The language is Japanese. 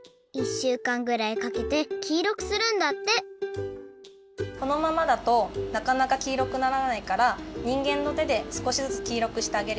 しゅうかんぐらいかけて黄色くするんだってこのままだとなかなか黄色くならないからにんげんのてですこしずつ黄色くしてあげるよ。